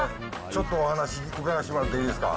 ちょっとお話聞かせてもらっていいですか。